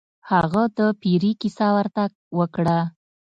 هغه د پیري کیسه ورته وکړه.